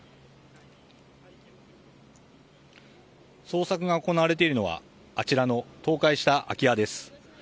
捜索が行われているのはあちらの倒壊した空き家です。